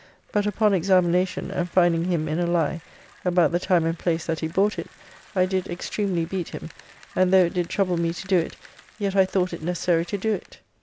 But upon examination, and finding him in a lie about the time and place that he bought it, I did extremely beat him, and though it did trouble me to do it, yet I thought it necessary to do it.